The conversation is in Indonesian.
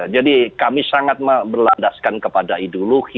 jadi kami sangat berladaskan kepada itu